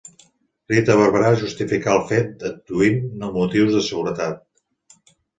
Rita Barberà justificà el fet adduint motius de seguretat.